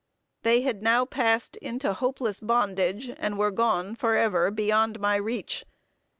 They had now passed into hopeless bondage, and were gone forever beyond my reach.